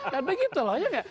tapi gitu loh ya nggak